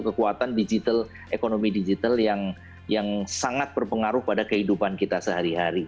kekuatan digital ekonomi digital yang sangat berpengaruh pada kehidupan kita sehari hari